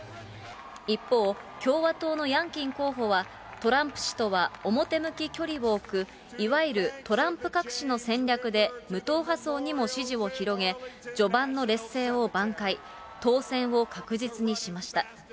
一方、共和党のヤンキン候補は、トランプ氏とは表向き距離を置く、いわゆるトランプ隠しの戦略で無党派層にも支持を広げ、序盤の劣勢を挽回、当選を確実にしました。